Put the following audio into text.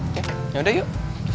oke yaudah yuk